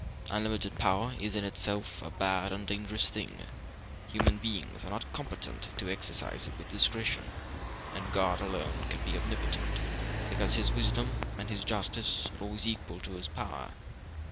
Unlimited power is in itself a bad and dangerous thing; human beings are not competent to exercise it with discretion, and God alone can be omnipotent, because His wisdom and His justice are always equal to His power.